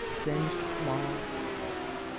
SINGED MOTHS. .